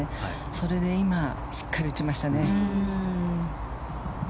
それで今しっかり打ちましたね。